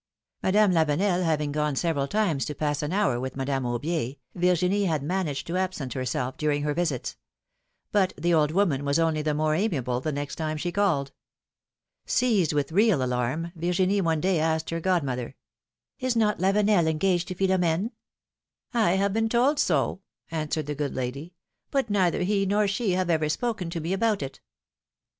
Madame Lavenel having gone several times to pass an hour with Madame Aubier, Virginie had managed to absent herself during her visits ; but the old woman was only the more amiable the next time she called. Seized with real alarm, Virginie one day asked her godmother: '^Is not Lavenel engaged to Philomene?^^ I have been told so,^^ answered the good lady, but neither he nor she have ever spoken to me about it.